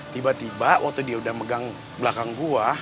tiba tiba waktu dia udah megang belakang buah